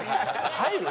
入る？